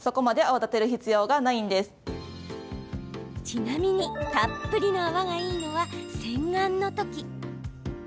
ちなみにたっぷりの泡がいいのは洗顔のとき。